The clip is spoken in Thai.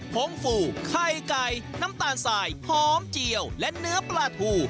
ผงฟูไข่ไก่น้ำตาลสายหอมเจียวและเนื้อปลาทู